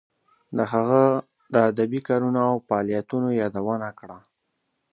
د هغه د ادبی کارونو او فعالیتونو یادونه کړه.